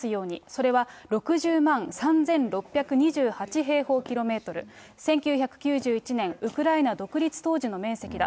それは６０万３６２８平方キロメートル、１９９１年、ウクライナ独立当時の面積だ。